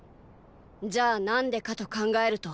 じゃあ何でかと考えると“絳”